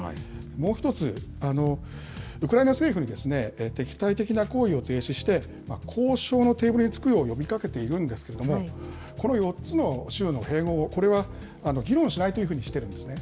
もう一つ、ウクライナ政府に敵対的な行為を停止して、交渉のテーブルに着くように呼びかけているんですけれども、この４つの州の併合、これは議論しないというふうにしているんですね。